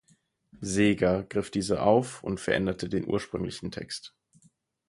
Seeger griff diese auf und veränderte den ursprünglichen Text.